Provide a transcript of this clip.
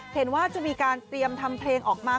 เห็นว่าจะมีการเตรียมทำเพลงออกมา